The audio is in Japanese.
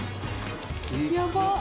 やばっ。